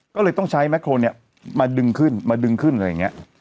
ก็เลยต้องใช้แมคโครนเนี่ยมาดึงขึ้นมาดึงขึ้นอะไรอย่างนี้